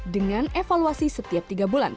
dengan evaluasi setiap tiga bulan